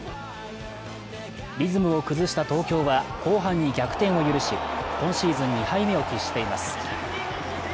リズムを崩した東京は後半に逆転を許し、今シーズン２敗目を喫しています。